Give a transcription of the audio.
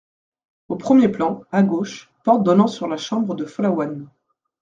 Au premier plan, à gauche, porte donnant sur la chambre de Follavoine.